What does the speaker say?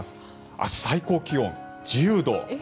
明日、最高気温１０度。